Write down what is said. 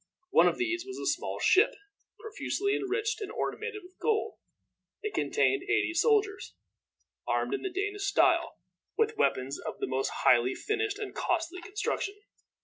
One of these was a small ship, profusely enriched and ornamented with gold. It contained eighty soldiers, armed in the Danish style, with weapons of the most highly finished and costly construction.